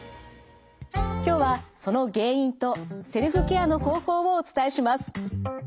今日はその原因とセルフケアの方法をお伝えします。